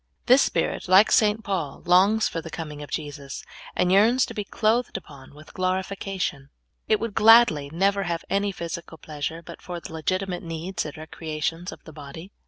This spirit, like St. Paul, longs for the coming of Jesus, and j earns to be clothed upon with glorification. It w^ould gladly never have any physical pleasure but for the legitimate needs and recreations of the body.